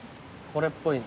これっぽい？